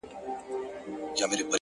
ساده ژوند د زړه ژور سکون راولي.!